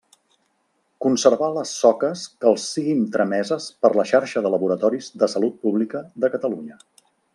Conservar les soques que els siguin trameses per la xarxa de laboratoris de Salut Pública de Catalunya.